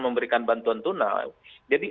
memberikan bantuan tunai jadi